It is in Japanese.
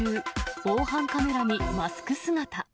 防犯カメラにマスク姿。